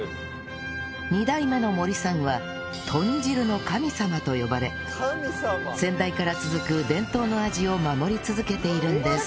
２代目の森さんはとん汁の神様と呼ばれ先代から続く伝統の味を守り続けているんです